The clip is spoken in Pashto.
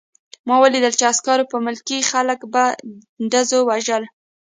ما ولیدل چې عسکرو به ملکي خلک په ډزو وژل